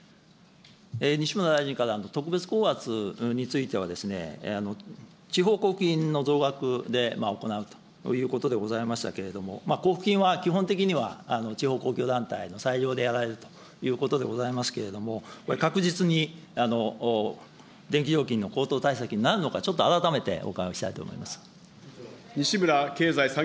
西村大臣から特別高圧についてはですね、地方交付金の増額で行うということでございましたけれども、交付金は基本的には地方公共団体の裁量でやられるということでございますけれども、確実に電気料金の高騰対策になるのか、ちょっと改めてお伺いをしたいと思います。